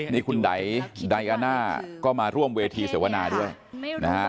นี่คุณไดอาน่าก็มาร่วมเวทีเสวนาด้วยนะฮะ